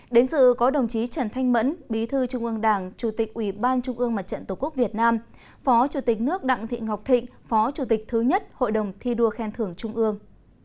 đến dự có đồng chí trần thanh mẫn bí thư trung ương đảng chủ tịch ủy ban trung ương mặt trận tổ quốc việt nam phó chủ tịch nước đặng thị ngọc thịnh phó chủ tịch thứ nhất hội đồng thi đua khen thưởng trung ương